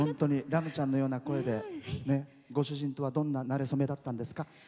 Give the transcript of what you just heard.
ラムちゃんのような声でご主人とは、どんな馴れ初めだったんですか？